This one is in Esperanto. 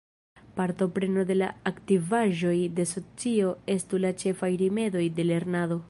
Partopreno en la aktivaĵoj de socio estu la ĉefaj rimedoj de lernado.